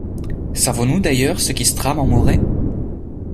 Savons-nous, d'ailleurs, ce qui se trame en Morée?